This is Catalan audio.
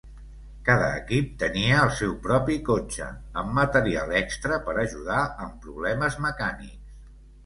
Cada equip tenia el seu propi cotxe amb material extra per ajudar amb problemes mecànics.